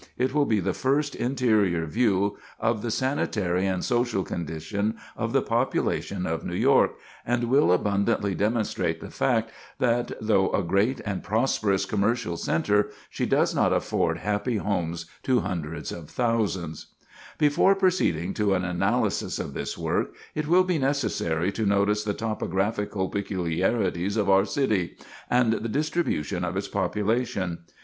It will be the first interior view of the sanitary and social condition of the population of New York, and will abundantly demonstrate the fact that, though a great and prosperous commercial centre, she does not afford happy homes to hundreds of thousands. [Sidenote: Distribution of Population] Before proceeding to an analysis of this work, it will be necessary to notice the topographical peculiarities of our city, and the distribution of its population.